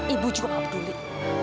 ibu juga abdulik